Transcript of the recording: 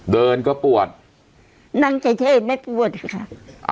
เดินก็ปวดนั่งเฉยไม่ปวดค่ะ